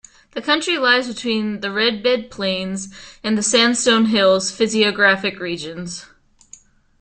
The county lies between the Red Bed plains and the Sandstone Hills physiographic regions.